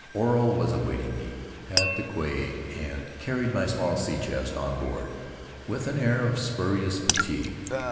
Oro was awaiting me at the quay, and carried my small sea chest on board with an air of spurious fatigue.